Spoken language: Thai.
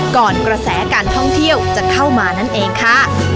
กระแสการท่องเที่ยวจะเข้ามานั่นเองค่ะ